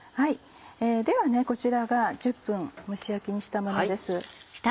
ではこちらが１０分蒸し焼きにしたものです。